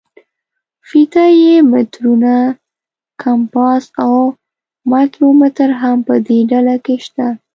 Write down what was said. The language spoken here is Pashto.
فیته یي مترونه، کمپاس او مایکرومتر هم په دې ډله کې شته.